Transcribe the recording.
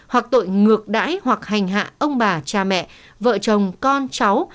hoặc tội ngược đãi hoặc hành hạ ông bà cha mẹ vợ chồng con cháu